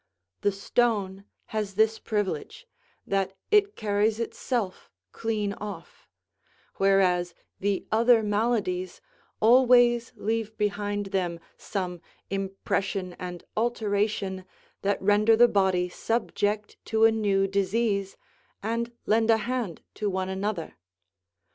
The stone has this privilege, that it carries itself clean off: whereas the other maladies always leave behind them some impression and alteration that render the body subject to a new disease, and lend a hand to one another.